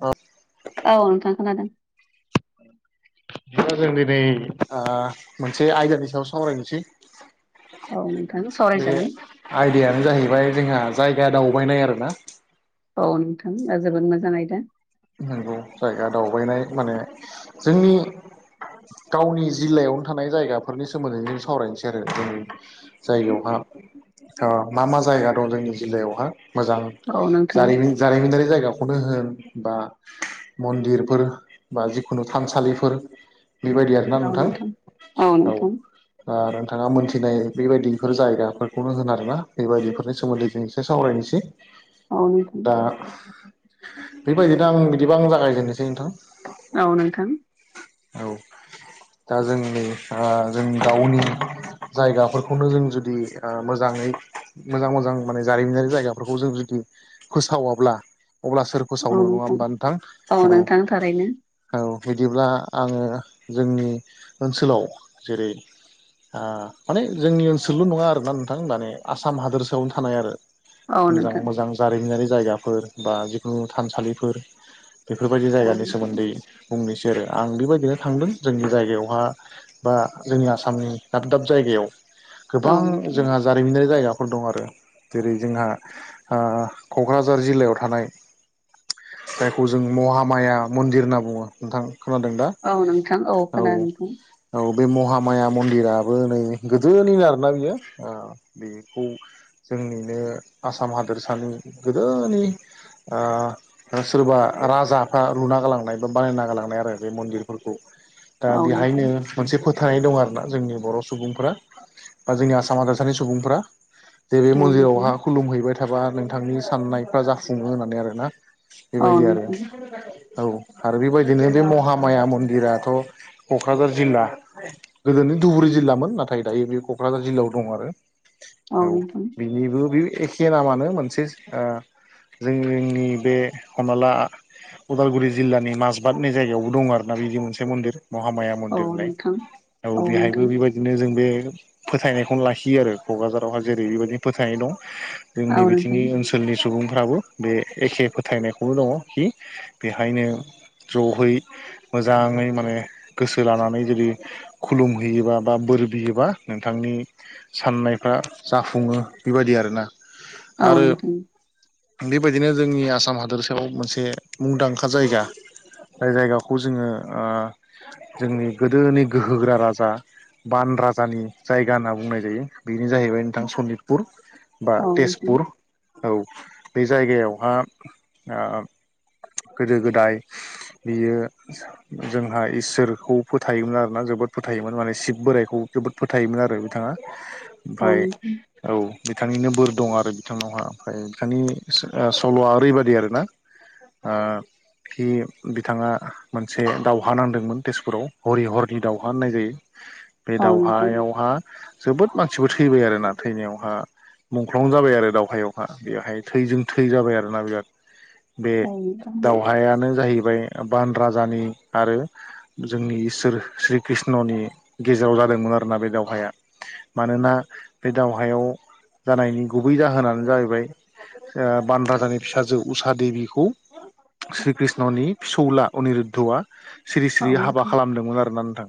औ औ नोंथां खोनादों। नोंथां जों दिनै मोनसे आयदानि सायाव सावरायनोसै। औ नोंथां बे सावरायजागोन। आयदायानो जाहैबाय जोंहा जायगा दावबायनाय आरोना। औ नोंथां ओ जोबोद मोजां आयदा। नंगौ जायगा दावबायनाय माने जोंनि गावनि जिल्लायावनो थानाय जायगाफोरनि सोमोन्दै जों सावरायनोसै आरो दिनै। जायगायावहा ओ मा मा जायगा दं जोंनि जिल्लायावहा मोजां औ नोंथां जारिमिन जारिमिनारि जायगाखौनो होन बा मन्दिरफोर बा जिखुनु थानसालिफोर बेबायदि आरोना नोंथां औ। ओ नोंथाङा मोनथिनाय बेबायदिफोर जायगाफोरखौनो होनो आरोना बेबायदिफोरनि सोमोन्दै जों एसे सावरायनोसै। औ नोंथां दा बेबायदिनो आं बिदिबा आं जागायजेननोसै नोंथां। औ नोंथां औ दा जों नै ओ जों गावनि जायगाफोरखौनो जों जुदि मोजाङै मोजां मोजां माने जारिमिनारि जायगाफोरखौ जों जुदि फोसावाब्ला अब्ला सोर फोसावनो नङा होमबा नोंथां? औ नोंथां थारैनो औ बिदिब्ला आङो जोंनि ओनसोलाव जेरै आ माने जोंनि ओनसोलल' नङा आरोना नोंथां माने आसाम हादोरसायावनो थानाय आरो। औ मोजां नोंथां मोजां जारिमिनारि जायगाफोर बा जिखुनु थानसालिफोर। बेफोर बायदि औ जायगानि नोंथां सोमोन्दै बुंनोसै आरो आं बेबायदिनो थांदों जोंनि जायगायावहा बा जोंनि आसामनि दाब दाब जायगायाव। औ गोबां नोंथां जोंहा जारिमिनारि जायगाफोर दं आरो जेरै जोंहा ओ क'क्राझार जिल्लायाव थानाय जायखौ जों महामाया मन्दिर होनना बुङो नोंथां खोनादों दा? औ नोंथां औ खोनादों नोंथां। औ बे महामाया मन्दिराबो नै गोदोनिनो आरोना बियो। ओ बेखौ जोंनिनो आसाम हादोरसानि गोदोनि ओ सोरबा राजाफ्रा लुना गालांनाय बा बानायना गालांनाय आरो बे मन्दिरफोरखौ दा बेहायनो नोंथां मोनसे फोथायनाय दं आरो ना जोंनि बर' सुबुंफोरा बा जोंनि आसाम हादरसानि सुबुंफोरा जेरै औ नोंथां मन्दिरावहा खुलुमहैबाय थाबा नोंथांनि साननायफ्रा जाफुङो होननानै आरोना औ बेबायदि आरो नोंथां औ आरो बेबायदिनो बे महाम माया मन्दिराथ' क'क्राझार जिल्ला गोदोनि धुबुरि जिल्लामोन नाथाय दायो बे क'क्राझार जिल्लायाव दं आरो औ बिबो बे एखे नामानो मोनसे जों जोंनि बे हमना ला उदालगुरि जिल्लानि माजबादनि जायगायाव दं आरो ना बिदि मोनसे मन्दिर महामाया औ मन्दिर होननाय नोंथां औ बेहायबो बेबायदि बिदिनो जों बे फोथायनायखौनो लाखियो आरो क'क्राझारावहाय जेरै बेबायदिनो फोथायनाय दं जोंनि औ बिथिंनि नोंथां ओनसोलनि सुबुंफ्राबो बे एखे फोथायनायखौनो दङ खि बेहायनो जयै मोजाङै माने गोसो लानानै जुदि खुलुमहैयोबा बा बोर बियोबा नोंथांनि साननायफ्रा जाफुङो बेबायदि आरोना औ आरो नोंथां बेबायदिनो जोंनि आसाम हादोरसायाव मोनसे मुंदांखा जायगा जाय जायगा बे खौ जोङो जोंनि गोदोनि गोहो गोरा राजा बान राजानि जायगा होनना बुंनाय जायो बेनो जाहैबाय नोंथां सनितपुर बा औ नोंथां औ नोंथां तेजपुर औ बे जायगायावहा ओ गोदो गोदाय बियो जोंहा इसोरखौ फोथायोमोन आरोना जोबोद फोथायोमोन माने शिब बोराइखौ जोबोद फोथायोमोन आरो बिथाङा [inaudible] ओमफ्राय औ बिथांनिनो बोर दं आरो बिथांनावहा ओमफ्राय बिथांनि सल'आ ओरैबायदि आरो ना ओ बे बिथाङा मोनसे दावहा नांदोंमोन तेजपुराव हरि हरनि दावहा होननाय जायो बे औ नोंथां औ नोंथां दावहायावहा जोबोद मानसिबो थैबाय आरोना थैनायावहा मुंख्लं जाबाय आरो दावहायाव हा बेहाय थैजों थै जाबाय आरोना बिराद बे औ नोंथां दावहायानो जाहैबाय बान राजानि आरो जोंनि इसोर श्री कृष्णनि गेजेराव जादोंमोन आरोना बे दावहाया मानोना बे दावहायाव जानायनि गुबै जाहोनानो जाहैबाय बान राजानि फिसाजो उषा देबिखौ श्री कृष्णनि फिसौला अनिरुद्धआ सिरि औ सिरि हाबा नोंथां खालामदोंमोन आरोना नोंथां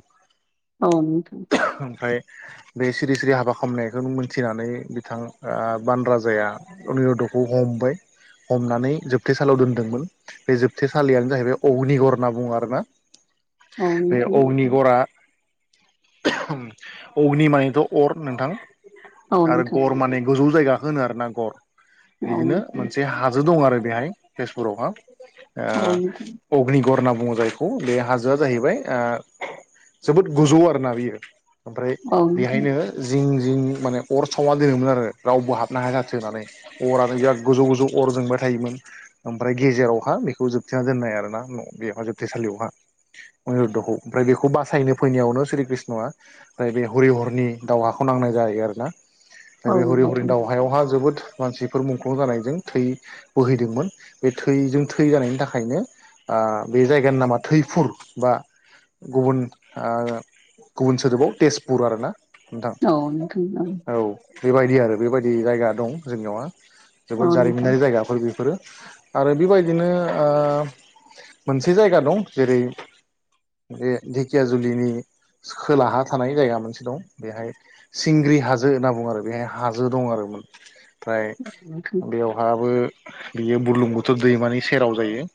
औ नोंथां ओमफ्राय बे सिरि सिरि हाबा खालामनायखौनो मोनथिनानै बिथां बान राजाया अनिरुघ हमबाय हमनानै जोबथेसालियाव दोनदोंमोन बे जोबथेसालियानो जाहैबाय अग्निगर होनना बुङो आरोना औ बे नोंथां अगनि गरा अग्नि मानिथ' अर नोंथां औ आरो नोंथां गर माने गोजौ जायगाखौ होनो आरोना गर औ बिदिनो नोंथां मोनसे हाजो दं आरो बेहाय तेजपुरावहा औ नोंथां ओ अग्निगर होनना बुङो जायखौ बे हाजोआ जाहैबाय जोबोद गोजौ आरोना बियो ओमफ्राय औ बेहायनो जिं जिं माने अर सावना दोनोमोन आरो रावबो हाबनो हाया जाथों होननानै अरानो बिराद गोजौ गोजौ अर जोंबाय थायोमोन ओमफ्राय गेजेरावहा बेखौ जोबथेना दोननाय आरो ना बेहा जोबथेसालियावहा अनिरु्धखौ ओमफ्राय बेखौ बासायनो फैनायावनो श्री कृष्णआ ओमफ्राय बे हरि हरनि दावहाखौ नांनाय जाहै आरोना ओमफ्राय बे हरि हरनि नोंथां औ दावहा दावहायावहा जोबोद मानसिफोर मुंख्लं जानायजों थै बोहैदोंमोन बे थैजों थै जानायनि थाखायनो बे जायगानि नामा थैफुर बा गुबुन गुबुन सोदोबाव तेजपुर आरो ना नोंथां औ नोंथां औ औ बेबायदि आरो बेबायदि जायगा दं जोंनियावहा जोबोद जारिमिनारि जायगाफोर बेफोरो आरो बेबायदिनो ओ मोनसे जायगा दं जेरै बे धेकिया जुलिनि खोलाहा थानाय जायगा मोनसे दं बेहाय सिंग्रि हाजो होनना बुंङो आरो बेहाय हाजो दं आरो ओमफ्राय बेवहाबो बियो बुरलुंबुथुर दैमानि सेराव जायो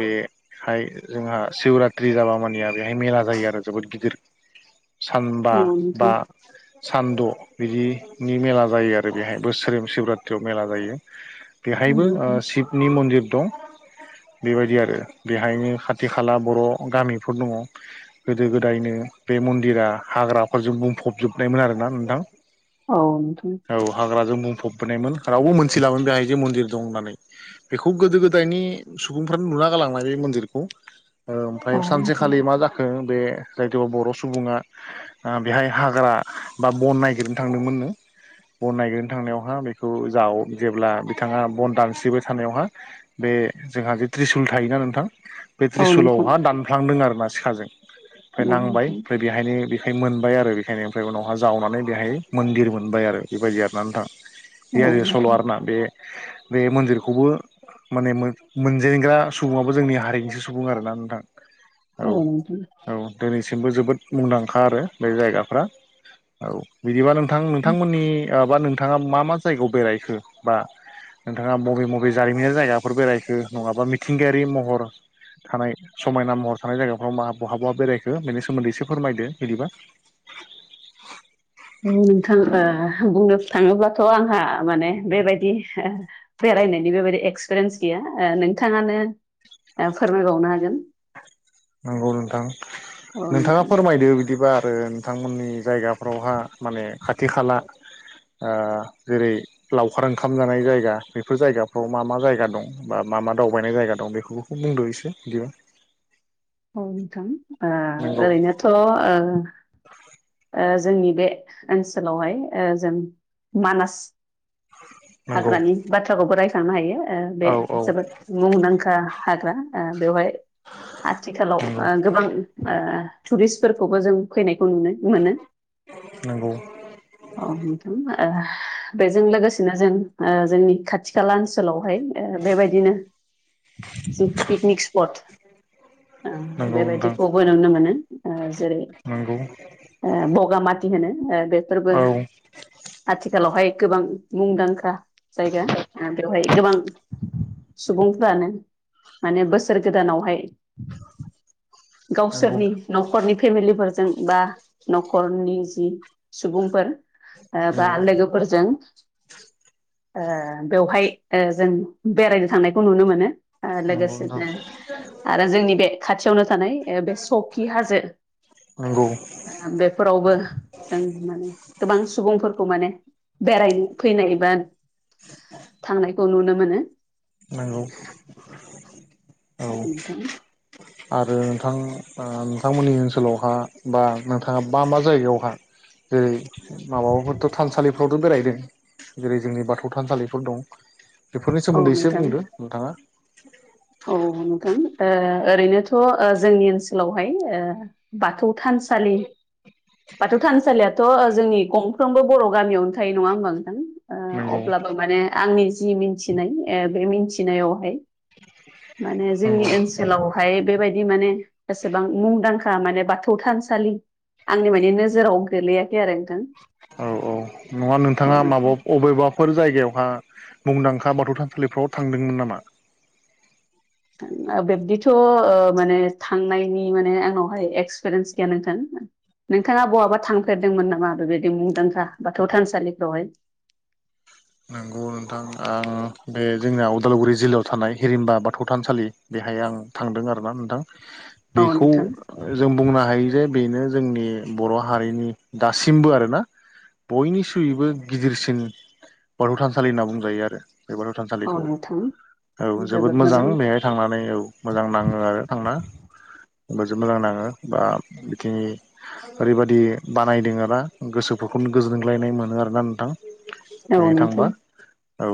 बे बेहाय जोंहा शिवरात्रि जाबा मानिया बेहाय मेला जायो आरो जोबोद गिदिर सानबा औ बा नोंथां औ सान द' बिनि मेला जायो आरो बेहाय बोसोरि शिबरात्रियाव मेला जायो बेहायबो नोंथां शिबनि मन्दिर दं बेबायदि आरो बेहायनो खाथि खाला बर' गामिफोर दंङो गोदो गोदायनो बे मन्दिरा हाग्राफोरजों बुंफबजोबनायमोन आरोना नोंथां औ नोंथां औ हाग्राजों बुंफबायमोन रावबो मोनथिलामोन बेहाय जे मन्दिर दं होननानै बेखौ गोदो गोदायनि सुबुंफ्रानो लुना गालांनाय बे मनदिरखौ ओमफ्राय औ नोंथां सानसेखालि मा जा खो बे बर' सुबुङा बेहाय हाग्रा बा बन नागिरनो थांदोंमोन नो बन नागिरनो थांनायावहा बेखौ जा जेब्ला बिथाङा बन दानस्रिबाय थानायावहा बे जोंहा जे त्रिसुल थायोना नोंथां बे औ नोंथां औ नोंथां औ नोंथां औ नोंथां औ नोंथां औ नोंथां औ त्रिसुलावहा दानफ्लांदों आरोना सिखाजों ओमफ्राय नांबाय बेहायनो बेखायनो मोनबाय आरो बेखायनो ओमफ्राय उनावहा जावनानै बेहाय मन्दिर मोनबाय आरो बेबायदि आरोना नोंथां थां [inaudible] आरोना सल' नोंथां आरोना बे बे मन्दिरखौबो माने मोनजेनग्रा सुबुाबो जोंनि हारिनिसो सुबुं आरोना नोंथां औ नोंथां औ दिनैसिमबो जोबोद मुंदांखा आरो बे जायगाफ्रा औ बिदिबा नों नोंथां नोंथांमोननि बा नोंथांङा मा मा जायगायाव बेरायखो बा नोंथाङा बबे बबे जारिमिनारि जायगाफोर बेरायखो नङाबा मिथिंगायारि महर थानाय समायना महर थानाय जायगाफ्राव बहाबा बेरायखो बेनि सोमोन्दै एसे फोरमायदो बिदिबा नोंथां बुंनो थाङोब्लाथ' आंहा माने बेबायदि बेरायनायनि बेबायाददि एक्सपिरियेन्स गैया नोंथाङानो फोरमायबावनो हागोन नंगौ नोंथां औ नोंथाङा नोंथां फोरमायदो बिदिबा आरो बिथांमोननि जायगाफ्रावहा माने खाथि खाला ओ जेरै लावखार ओंखाम जानाय जायगा बेफोर जायगाफ्राव मा मा जायगा दं बा मा मा दावबायनाय जायगा दं बेखौ बुंदो' एसे बिदियाव औ नोंथां नंगौ ओरैनोथ' [inaudible] जोंनि बे ओनसोलावहाय जों मानास नंगौ हाग्रानि बाथ्राखौबो रायख्लांनो हायो बे औ औ जोबोद मुंदांखा हाग्रा बेवहाय आथिखालाव नंगौ गोबां टुरिस्टफोरखौबो जों फैनायखौ नुनो मोनो नंगौ औ बेजों लोगोसेनो जों जोंनि खाथि खाला ओनसो सोलावहाय बेबायदिनो ज पिकनिक स्पट नंगौ नोंथां बेबायदिखौबो नुनो मोनो जेरै नंगौ बगामाथि होनो बेफोरबो औ आथिखालावहाय गोबां मुंदांखा जायगा बेवहाय गोबां सुबुंफ्रानो माने बोसोर गोदानावहाय नंगौ गावसोरनि न'खरनि फेमिलिफोरजों बा न'खरनि जि सुबुंफोर बा नंगौ लोगोफोरजों बेवहाय जों बेरायनो थांनायखौ नुनो मोनो। नंगौ नोंथां लोगोसेनो आरो जोंनि बे खाथियावनो थानाय बे सखि हाजो नंगौ बेफोरावबो जों माने गोबां सुबुंफोरखौ माने बेराय फैनाय एबा थांनायखौ नुनो मोनो। नंगौ औ। आरो नोंथां नोंथांमोननि ओनसोलावहा बा नोंथाङा मा मा जायगायावहा जेरै माबाफोरथ' थानसालिफ्रावथ' बेरायदों। जेरै जोंनि बाथौ थानसालिफोर दं बेफोरनि औ सोमोन्दै ससे नोंथां बुंदों नोंथाङा। औ नोंथां ओरैनोथ' जोंनि ओनसोलावहाय ओ बाथौ थानसालि बाथौ थानसालियाथ' जोंनि गंफ्रोमबो बर' गामियावनो थायो नङा होमबा नोंथां नंगौ अब्लाबो माने आंनि जि मिथिनाय बे मिथिनायावहाय माने जोंनि नंगौ ओनसो ओनसोलावहाय बेबायदि माने एसेबां मुंदांखा माने बाथौ थानसालि आंनि माने नोजोराव गोलैयाखै आरो नोंथां। औ औ नङा नोंथाङा औ नोंथां माबा अबेबाफोर जायगायावहा मुंदांखा बाथौ थानसालिफ्राव थांदोंमोन नामा? बिब्दिथ' माने थांनायनि माने आंनावहाय एक्सपिरियेन्स गैया नोंथां। नोंथाङा बहाबा थांफेरदोंमोन नामा बेबायदि मुंदांखा बाथौ थानसालिफ्रावहाय? नंगौ नोंथां आं बे जोंनिया अदालगुरि जिल्लायाव थानाय हिरिमबा बाथौ थानसालि बेहाय आं थांदों आरोना नोंथां। [inaudible] बेखौ जों बुंनो हायो जे बेनो जोंनि बर' हारिनि दासिमबो आरोना बयनिख्रुइबो गिदिरसिन बाथौ थानसालि होनना बुंजायो आरो बे बाथौ औ थानसालिखौ नोंथां औ जोबोद मोजां बेहाय थांनानै औ मोजां नाङो आरो थांना। बो मोजां नाङो बा बिखिनि ओरैबायादि बानायदों आरोना गोसोफोरखौनो गोजोनग्लायनाय मोनो आरोना नोंथां। औ नोंथां थांबा औ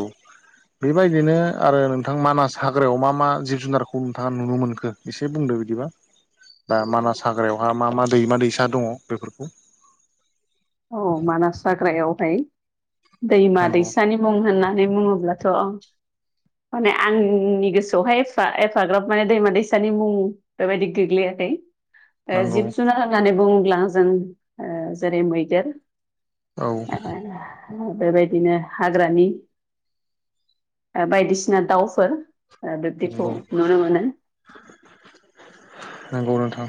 बेबायदिनो आरो नोंथां मानास हाग्रायाव मा मा जिब जुनारखौ नोंथाङा नुनो मोनखो? एसे बुंदो बिदिबा दा मानास हाग्रायावहा मा मा दैमा दैसा दङ बेफोरखौ औ मानास हाग्रायावहाय दैमा नंगौ दैसानि मुं होननानै बुङोब्लाथ' माने आंनि गोसोआवहाय एफा एफाग्राब माने दैमा दैसानि मुं बेबायदि गोग्लैयाखै नंगौ जिब जुनार होननानै बुङोब्ला जों ओ जेरै मैदेर औ ओ बेबायदिनो हाग्रानि बायदिसिना दाउफोर बिबदिखौ नंगौ नुनो मानो नंगौ नोंथां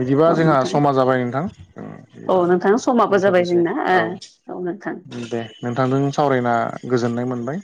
बिदिबा औ जोंहा नोंथां समा जाबाय नोंथां। औ बिदिबा नोंथां समाबो जाबाय जोंना औ नोंथां। दे नोंथांजों सावरायना गोजोननाय मोनबाय।